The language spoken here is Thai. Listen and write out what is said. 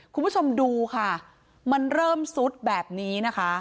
คุณผู้ชมดูมันเริ่มซุดแบบนี้